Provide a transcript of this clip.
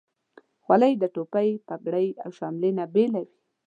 خولۍ د ټوپۍ، پګړۍ، او شملې نه بیله وي.